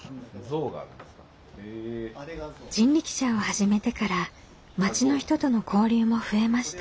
人力車を始めてから町の人との交流も増えました。